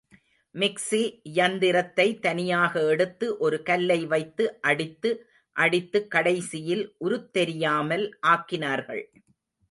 Mixie யந்திரத்தை தனியாக எடுத்து, ஒரு கல்லை வைத்து அடித்து அடித்து கடைசியில் உருத்தெரியாமல் ஆக்கினார்கள்.